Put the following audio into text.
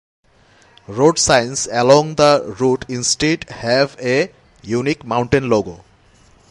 Road signs along the route instead have a unique mountain logo.